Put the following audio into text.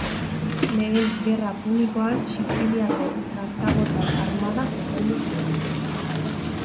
Lehen Gerra Punikoan Siziliako kartagotar armada zuzendu zuen.